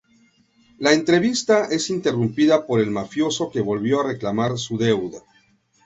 La entrevista es interrumpida por el mafioso que volvió a reclamar su deuda.